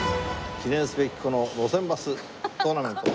記念すべきこの『路線バス』トーナメント。